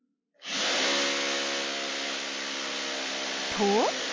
［と］